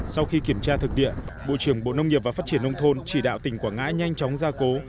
sau khi kiểm tra thực địa bộ trưởng bộ nông nghiệp và phát triển nông thôn chỉ đạo tỉnh quảng ngãi nhanh chóng ra cố